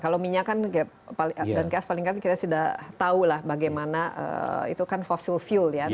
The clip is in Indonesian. kalau minyak kan dan gas paling kan kita sudah tahu lah bagaimana itu kan fossil fuel ya